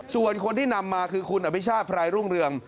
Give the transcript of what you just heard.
ส่วนคนที่นำมาคือคุณอภิชาติพรายรุ่งเรือง